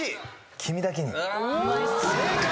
『君だけに』正解。